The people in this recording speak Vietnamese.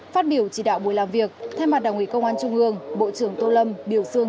phát biểu chỉ đạo buổi làm việc thay mặt đảng ủy công an trung ương bộ trưởng tô lâm biểu dương